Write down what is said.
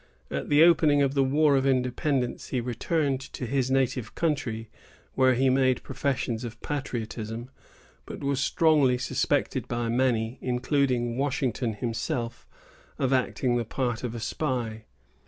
At the opening of the war of independence, he returned to his native country, where he made professions of patriotism, but was strongly suspected by many, including Washington himself, of acting the part of a spy.